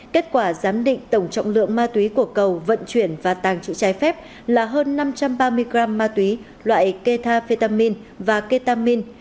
kết quả giám định tổng trọng lượng ma túy của cầu vận chuyển và tàng trữ trái phép là hơn năm trăm ba mươi gram ma túy loại ketafetamin và ketamin